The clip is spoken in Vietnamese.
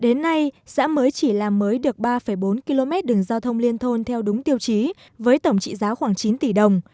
đến nay xã mới chỉ làm mới được ba bốn km đường giao thông liên thôn theo đúng tiêu chí với tổng trị giá khoảng chín tỷ đồng